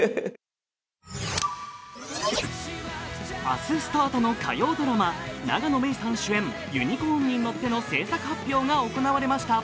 明日スタートの火曜ドラマ永野芽郁さん主演「ユニコーンに乗って」の制作発表が行われました。